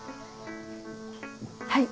はい。